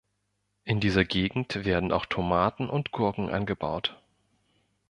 In dieser Gegend werden auch Tomaten und Gurken angebaut.